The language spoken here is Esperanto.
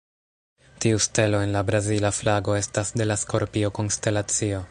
Tiu stelo en la Brazila flago estas de la Skorpio konstelacio.